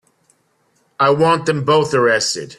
I want them both arrested.